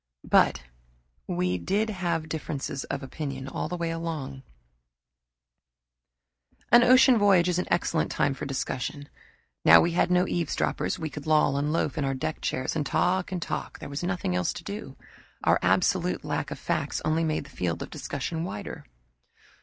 But we did have differences of opinion, all the long way. An ocean voyage is an excellent time for discussion. Now we had no eavesdroppers, we could loll and loaf in our deck chairs and talk and talk there was nothing else to do. Our absolute lack of facts only made the field of discussion wider.